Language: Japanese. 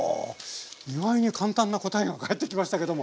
意外に簡単な答えが返ってきましたけども。